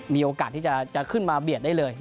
มีโอกาสที่จะขึ้นมาเบียดได้เลย